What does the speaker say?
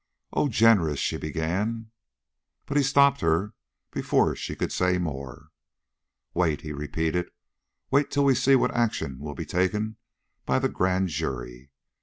"Oh, generous " she began. But he stopped her before she could say more. "Wait," he repeated; "wait till we see what action will be taken by the Grand Jury."